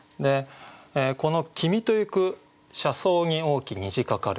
この「君とゆく車窓に大き虹かかる」